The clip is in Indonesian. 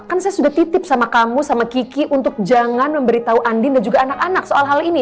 kan saya sudah titip sama kamu sama kiki untuk jangan memberitahu andin dan juga anak anak soal hal ini